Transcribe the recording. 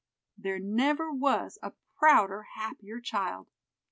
There never was a prouder, happier child.